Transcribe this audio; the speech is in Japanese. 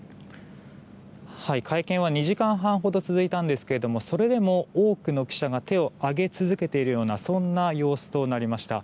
会見は２時間半ほど続いたんですがそれでも多くの記者が手を挙げ続けているようなそんな様子となりました。